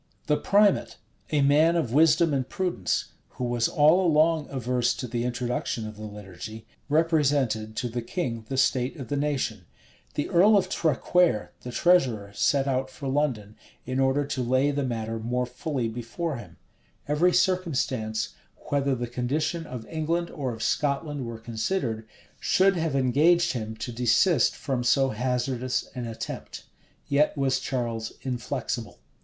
The primate, a man of wisdom and prudence, who was all along averse to the introduction of the liturgy, represented to the king the state of the nation: the earl of Traquaire, the treasurer, set out for London, in order to lay the matter more fully before him: every circumstance, whether the condition of England or of Scotland were considered, should have engaged him to desist from so hazardous an attempt: yet was Charles inflexible.